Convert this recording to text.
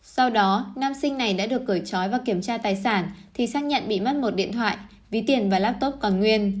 sau đó nam sinh này đã được cởi trói và kiểm tra tài sản thì xác nhận bị mất một điện thoại ví tiền và laptop còn nguyên